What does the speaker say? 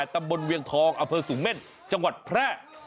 ตำบลเวียงทองอเภอสูงเม่นจังหวัดแพร่